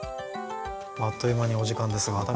あっという間にお時間ですが為末さん